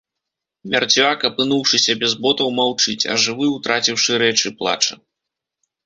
Мярцвяк, апынуўшыся без ботаў, маўчыць, а жывы, утраціўшы рэчы, плача.